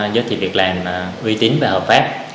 giới thiệu việc làm uy tín và hợp pháp